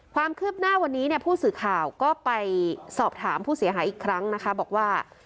ความคืบหน้าวันนี้เนี่ยผู้สื่อข่าวก็ไปสอบถามผู้เสียหายอีกครั้งนะคะบอกว่า